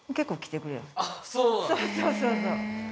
そうそうそうそう